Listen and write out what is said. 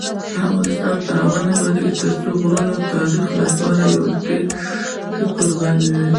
افغانستان د خپل ویاړلي او لرغوني تاریخ لپاره یو ډېر ښه کوربه دی.